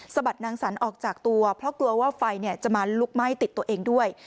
บัดนางสรรออกจากตัวเพราะกลัวว่าไฟจะมาลุกไหม้ติดตัวเองด้วย